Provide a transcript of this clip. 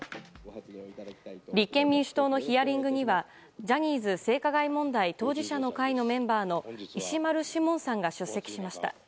立憲民主党のヒアリングにはジャニーズ性加害問題当事者の会のメンバーの石丸志門さんが出席しました。